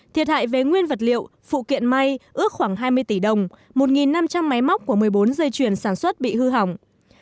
thiệt hại về nguyên vật liệu phụ kiện may ước khoảng hai mươi tỷ đồng một năm trăm linh máy móc của một mươi bốn dây chuyền sản xuất bị hư hỏng